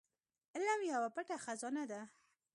علم يوه پټه خزانه ده.